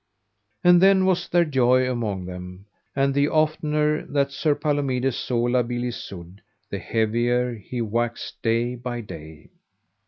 And then was there joy among them, and the oftener that Sir Palomides saw La Beale Isoud the heavier he waxed day by day.